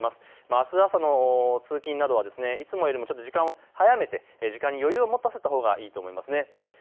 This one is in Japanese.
あす朝の通勤などはいつもよりも時間を早めて時間に余裕を持たせたほうがいいと思います。